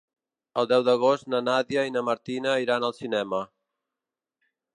El deu d'agost na Nàdia i na Martina iran al cinema.